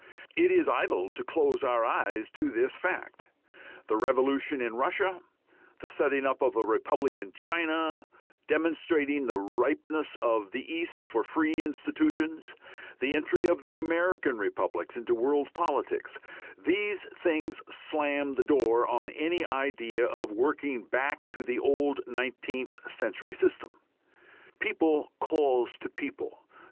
It is idle to close our eyes to this fact. The revolution in Russia, the setting up of a republic in China, demonstrating the ripeness of the East for free institutions, the entry of the American republics into world politics these things slam the door on any idea of working back to the old nineteenth century system. People calls to people.